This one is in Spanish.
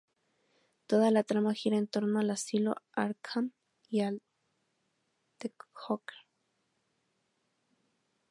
Toda la trama gira en torno al Asilo Arkham y al The Joker.